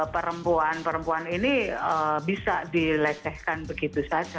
perempuan perempuan ini bisa dilecehkan begitu saja